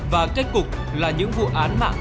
và kết cục là những vụ án mạng